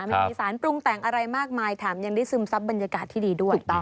ไม่มีสารปรุงแต่งอะไรมากมายแถมยังได้ซึมซับบรรยากาศที่ดีด้วย